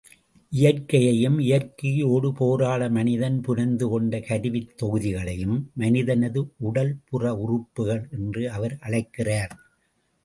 இயற்கையையும், இயற்கையோடு போராட மனிதன் புனைந்து கொண்ட கருவித் தொகுதிகளையும், மனிதனது உடல்புற உறுப்புக்கள் என்று அவர் அழைக்கிறார்.